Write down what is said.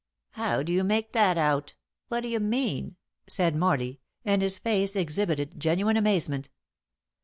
"How do you make that out? What do you mean?" said Morley, and his face exhibited genuine amazement.